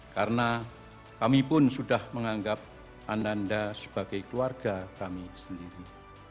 karena kami pun sudah menganggap ananda sebagai keluarga kami sendiri